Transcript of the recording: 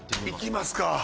行きますか。